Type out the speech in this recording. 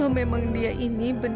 kamu kenapa dengar nama jelek